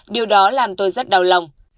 điều đó làm tôi rất đau lòng